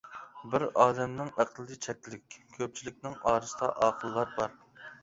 بىر ئادەمنىڭ ئەقلى چەكلىك، كۆپچىلىكنىڭ ئارىسىدا ئاقىللار بار.